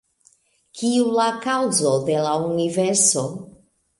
Kiu la kaŭzo de la universo?